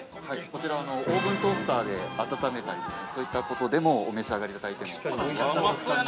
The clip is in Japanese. ◆こちら、オーブントースターで温めたりとかそういったことでもお召し上がりいただいても。